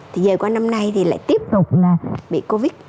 thì về qua năm nay thì lại tiếp tục là bị covid